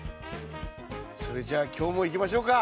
それじゃ今日もいきましょうか。